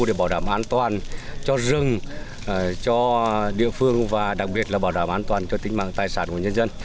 để bảo đảm an toàn cho rừng cho địa phương và đặc biệt là bảo đảm an toàn cho tính mạng tài sản của nhân dân